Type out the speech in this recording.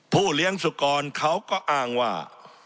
เลี้ยงสุกรเขาก็อ้างว่า